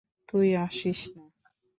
তুই আসিস না।